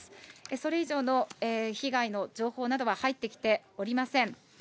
それ以上の被害の情報などは入ってきておりません。